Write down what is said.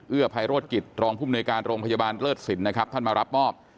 ภัยโรธกิจรองภูมิหน่วยการโรงพยาบาลเลิศสินนะครับท่านมารับมอบ